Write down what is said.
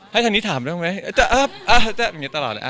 ให้ท่านนี้ถามด้วยไหม